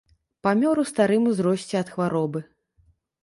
Памёр у старым узросце ад хваробы.